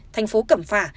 thành phố cẩm phả